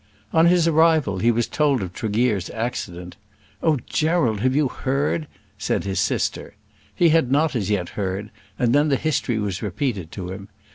On his arrival he was told of Tregear's accident. "Oh, Gerald; have you heard?" said his sister. He had not as yet heard, and then the history was repeated to him.